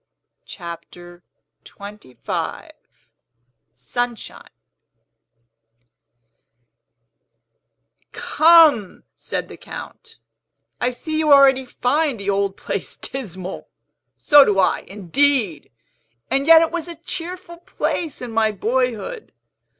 CHAPTER XXV SUNSHINE "Come," said the Count, "I see you already find the old house dismal. So do I, indeed! And yet it was a cheerful place in my boyhood.